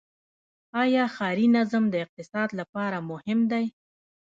آیا ښاري نظم د اقتصاد لپاره مهم دی؟